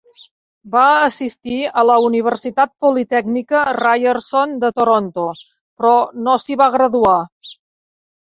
Va assistir a la Universitat Politècnica Ryerson de Toronto, però no s'hi va graduar.